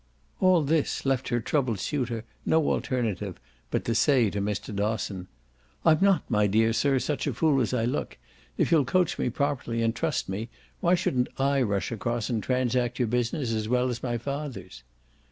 All this left her troubled suitor no alternative but to say to Mr. Dosson: "I'm not, my dear sir, such a fool as I look. If you'll coach me properly, and trust me, why shouldn't I rush across and transact your business as well as my father's?"